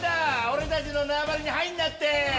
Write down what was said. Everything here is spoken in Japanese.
俺たちの縄張りに入んなって。